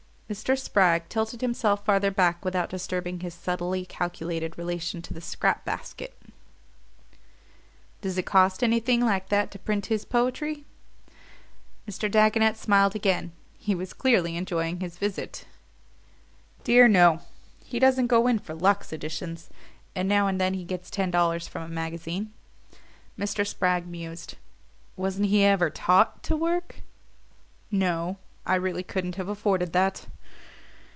Mr. Spragg tilted himself farther back without disturbing his subtly calculated relation to the scrap basket. "Does it cost anything like that to print his poetry?" Mr. Dagonet smiled again: he was clearly enjoying his visit. "Dear, no he doesn't go in for 'luxe' editions. And now and then he gets ten dollars from a magazine." Mr. Spragg mused. "Wasn't he ever TAUGHT to work?" "No; I really couldn't have afforded that."